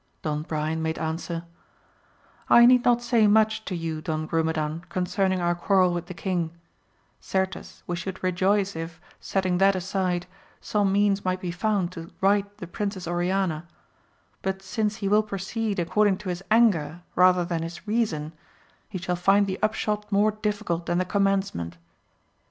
Don Brian made answer, I need not say much to you Don Grumedan concern ing our quarrel with the king, certes, we should rejoice if, setting that aside, some means might be found to right the Princess Oriana, but since he wiU proceed according to his anger rather than his reason, he shall find the upshot more difficult than the commencement.